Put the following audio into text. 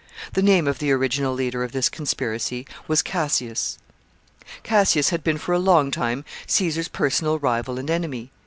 The name of the original leader of this conspiracy was Cassius. [Sidenote: Cassius.] Cassius had been for a long time Caesar's personal rival and enemy.